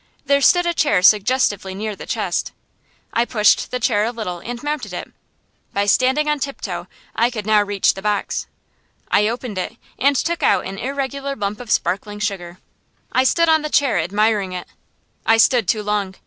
There stood a chair suggestively near the chest. I pushed the chair a little and mounted it. By standing on tiptoe I could now reach the box. I opened it and took out an irregular lump of sparkling sugar. I stood on the chair admiring it. I stood too long.